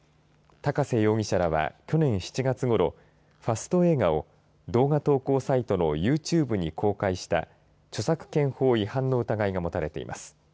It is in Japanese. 高瀬容疑者らは去年７月ごろファスト映画を動画投稿サイトのＹｏｕＴｕｂｅに公開した著作権法違反の疑いが持たれています。